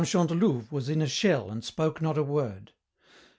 Chantelouve was as in a shell and spoke not a word.